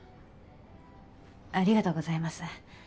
ありがとうございます。